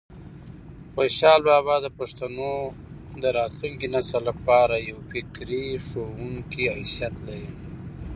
خوشحال بابا د پښتنو د راتلونکي نسل لپاره د یو فکري ښوونکي حیثیت لري.